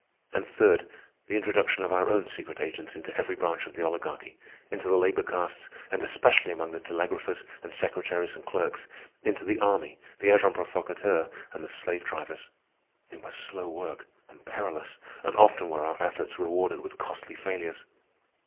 And third, the introduction of our own secret agents into every branch of the Oligarchy—into the labor castes and especially among the telegraphers and secretaries and clerks, into the army, the agents provocateurs, and the slave drivers. It was slow work, and perilous, and often were our efforts rewarded with costly failures.